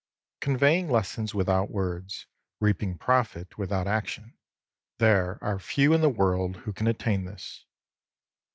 Conveying lessons without words, reaping profit without action, — there are few in the world who can attain to this